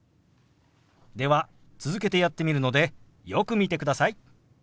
では続けてやってみるのでよく見てください。